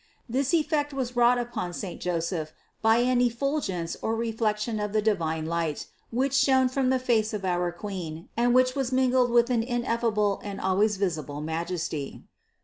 This effect was wrought upon saint Joseph by an effulgence or reflection of the divine light, which shone from the face of our Queen and which was mingled with an ineffable and always visible majesty.